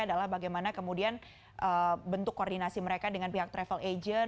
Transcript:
adalah bagaimana kemudian bentuk koordinasi mereka dengan pihak travel agent